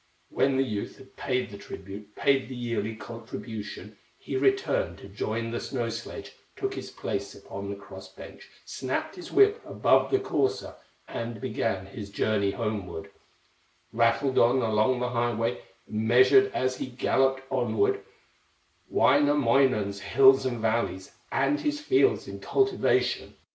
When the youth had paid the tribute, Paid the yearly contribution, He returned to join the snow sledge, Took his place upon the cross bench, Snapped his whip above the courser, And began his journey homeward; Rattled on along the highway, Measured as he galloped onward Wainamoinen's hills and valleys, And his fields in cultivation.